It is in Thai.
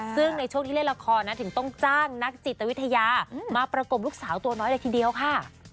ซึ่งในช่วงที่เล่นละครนะถึงต้องจ้างนักจิตวิทยามาประกบลูกสาวตัวน้อยเลยทีเดียวค่ะ